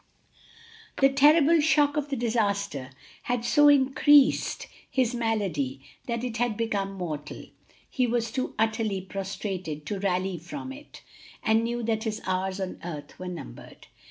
The terrible shock of the disaster had so increased his malady that it had become mortal; he was too utterly prostrated to rally from it, and knew that his hours on earth were numbered.